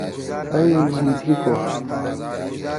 ئی میِٹھی کو۔